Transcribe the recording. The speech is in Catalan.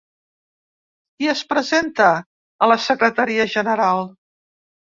Qui es presenta a la secretaria general?